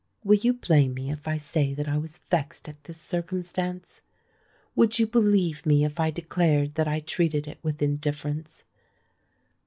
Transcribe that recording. Will you blame me if I say that I was vexed at this circumstance? would you believe me if I declared that I treated it with indifference?